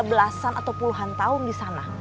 belasan atau puluhan tahun disana